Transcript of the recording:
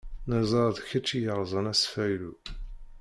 Neẓra d kečč i yerẓan asfaylu.